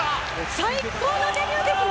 最高のデビューですね。